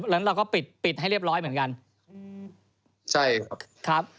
แล้วเราก็ปิดปิดให้เรียบร้อยเหมือนกันอืมใช่ครับครับ